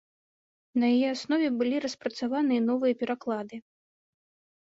На яе аснове былі распрацаваны новыя пераклады.